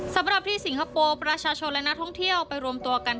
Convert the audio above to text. สำหรับที่สิงคโปร์ประชาชนและนักท่องเที่ยวไปรวมตัวกัน